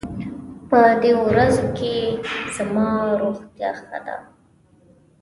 په دې ورځو کې زما روغتيا ښه ده.